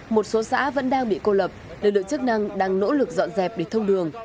một số xã vẫn đang bị cô lập lực lượng chức năng đang nỗ lực dọn dẹp để thông đường